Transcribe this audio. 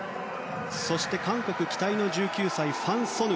そして韓国期待の１９歳ファン・ソヌ。